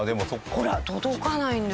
ほら届かないんですよ。